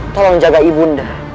tolong jaga ibu nda